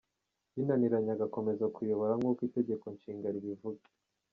Binaniranye agakomeza kuyobora nk’uko itegeko nshinga ribivuga.